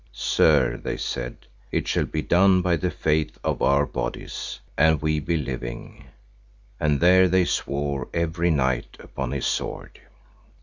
Sir, they said, it shall be done by the faith of our bodies, an we be living, and there they swore every knight upon his sword.